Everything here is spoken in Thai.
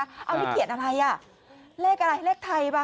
วิเกียจอะไรเลขอะไรเลขไทยป่ะ